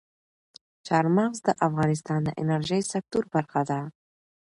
چار مغز د افغانستان د انرژۍ سکتور برخه ده.